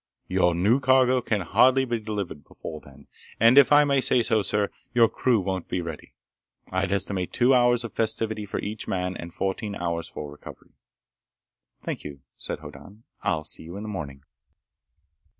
Your new cargo can hardly be delivered before then, and if I may say so, sir, your crew won't be ready. I'd estimate two hours of festivity for each man, and fourteen hours for recovery." "Thank you," said Hoddan. "I'll see you in the morning."